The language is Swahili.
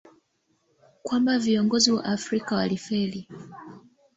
kwamba viongozi wa afrika waliwafeli